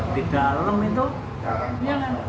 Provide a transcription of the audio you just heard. di dalam itu ya kan